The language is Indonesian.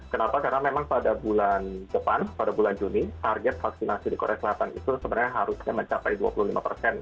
kenapa karena memang pada bulan depan pada bulan juni target vaksinasi di korea selatan itu sebenarnya harusnya mencapai dua puluh lima persen